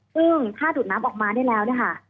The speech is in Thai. ซึ่งถ้าดูดน้ำออกมาได้แล้วเนี่ยค่ะ